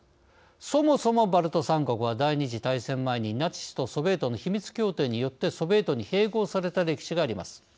そもそも、バルト三国は第２次大戦前にナチスとソビエトの秘密協定によってソビエトに併合された歴史があります。